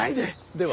では。